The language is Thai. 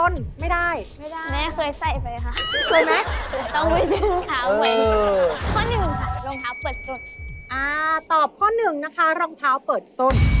เรื่องนะคะรองเท้าเปิดส้น